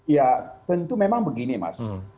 ya tentu memang begini mas